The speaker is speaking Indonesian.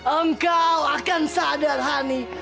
engkau akan sadar hani